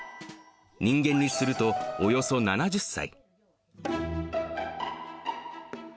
人間にするとおよそ７０歳。